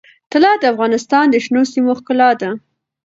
طلا د افغانستان د شنو سیمو ښکلا ده.